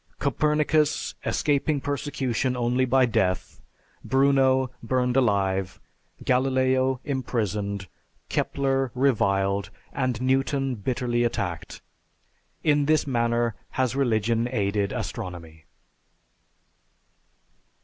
Copernicus escaping persecution only by death; Bruno burned alive; Galileo imprisoned; Kepler reviled, and Newton bitterly attacked. In this manner has religion aided astronomy!